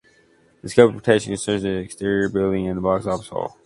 The scope of protection concerns the exterior building and the box office hall.